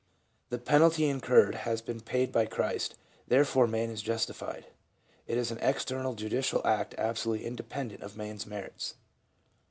The penalty incurred has been paid by Christ, therefore man is justified. It is an external judicial act absolutely inde pendent of man's merits.